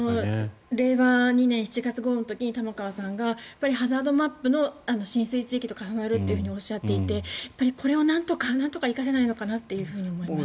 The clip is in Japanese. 令和２年７月豪雨の時に玉川さんがハザードマップの浸水地域と重なるとおっしゃっていてこれをなんとか生かせないのかと思います。